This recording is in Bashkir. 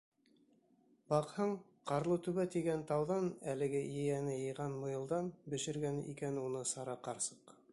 Баҡһаң, Ҡар-лытүбә тигән тауҙан әлеге ейәне йыйған муйылдан бешергән икән уны Сара ҡарсыҡ.